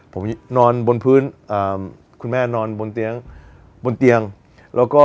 ผมนอนบนพื้นคุณแม่นอนบนเตียงแล้วก็